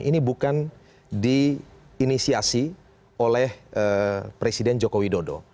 ini bukan diinisiasi oleh presiden joko widodo